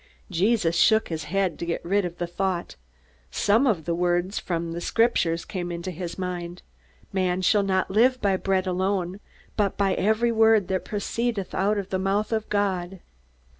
_" Jesus shook his head, to get rid of the thought. Some words from the Scriptures came into his mind. "_Man shall not live by bread alone, but by every word that proceedeth out of the mouth of God.